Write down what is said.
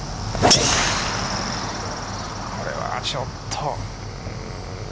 これはちょっと。